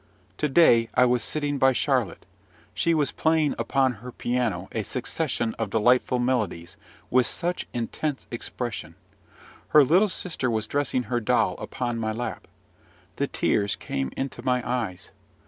To day I was sitting by Charlotte. She was playing upon her piano a succession of delightful melodies, with such intense expression! Her little sister was dressing her doll upon my lap. The tears came into my eyes.